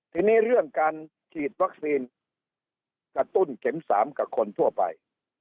ทีนี้เรื่องการฉีดวัคซีนกระตุ้นเข็ม๓กับคนทั่วไป